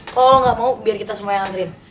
kalau lo gak mau biar kita semua yang ngantriin